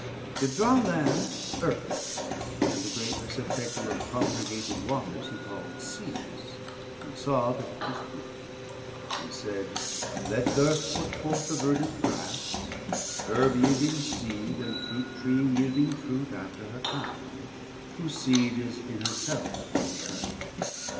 The dry Land, Earth, and the great receptacle Of congregated Waters he call'd Seas: And saw that it was good, and said, Let th' Earth Put forth the verdant Grass, Herb yeilding Seed, 310 And Fruit Tree yeilding Fruit after her kind; Whose Seed is in her self upon the Earth.